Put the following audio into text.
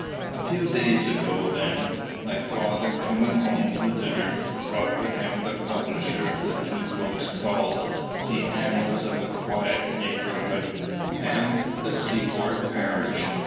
A few days ago, then, my father, coming home to dinner, brought with him the publisher of the two books called, "The Annals of a Quiet Neighborhood," and "The Seaboard Parish."